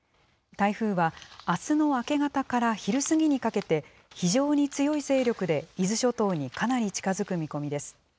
台風はあすの明け方から昼過ぎにかけて、非常に強い勢力で伊豆諸島にかなり近づく見込みです。